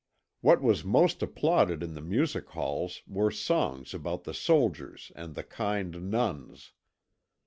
What was most applauded in the music halls were songs about the soldiers and the kind nuns.